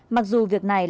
mặc dù việc này là dễ dàng